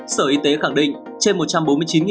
sở y tế khẳng định trên một trăm bốn mươi chín